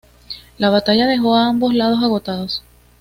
La batalla dejó a ambos lados agotados.